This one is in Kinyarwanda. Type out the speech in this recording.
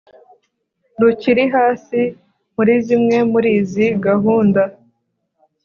rukiri hasi muri zimwe muri izi gahunda